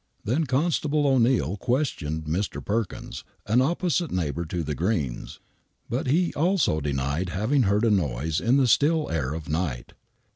Then Constable O'Neill questioned Mr. Perkins, an opposite neighbor to the Greens' but he also denied having heard a noise in the still air of night.